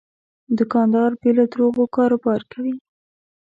دوکاندار بې له دروغو کاروبار کوي.